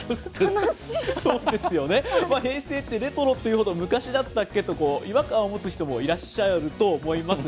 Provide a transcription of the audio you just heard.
そうですよね、平成って、レトロっていうほど、昔だったっけ？と、違和感を持つ人もいらっしゃると思います。